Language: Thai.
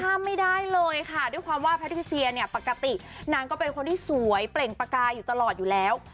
ห้ามไม่ได้เลยค่ะด้วยความว่าแพทิเซียเนี่ยปกตินางก็เป็นคนที่สวยเปล่งประกายอยู่ตลอดอยู่แล้ว